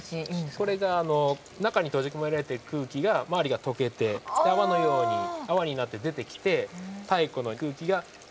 これが中に閉じ込められてる空気が周りがとけて泡のように泡になって出てきて太古の空気が現代によみがえる。